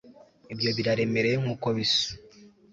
ibyo biraremereye nkuko bisa